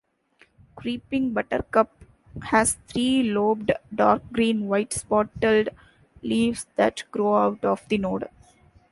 Creeping buttercup has three-lobed dark green, white-spotted leaves that grow out of the node.